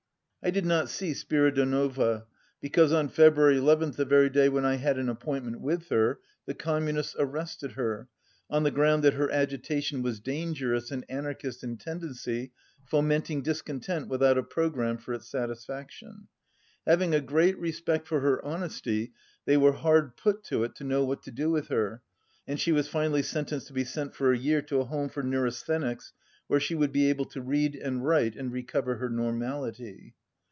I did not see Spiridonova, because on February 1 1, the very day when I had an appointment with her, the Communists arrested her, on the ground that her agitation was dangerous and anarchist in tendency, fomenting discontent without a pro gramme for its satisfaction. Having a great re spect for her honesty, they were hard put to it to know what to do with her, and she was finally sentenced to be sent for a year to a home for neurasthenics, "where she would be able to read and write and recover her normality."